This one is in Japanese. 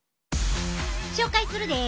紹介するで！